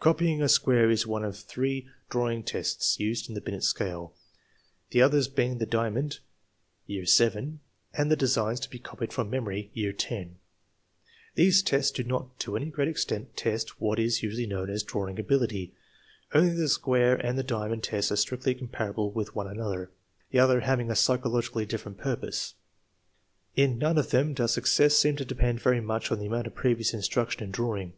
Copying a square is one of three drawing tests used in the Binet scale, the others being the diamond (year VII), and the designs to be copied from memory (year X). These tests do not to any great extent test what is usually known as " drawing ability." Only the square and the dia mond tests are strictly comparable with one another, the TEST NO. IV, 5 157 other having a psychologically different purpose. In none of them does success seem to depend very much on the amount of previous instruction in drawing.